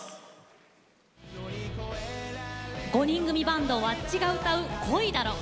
５人組バンドｗａｃｃｉが歌う「恋だろ」。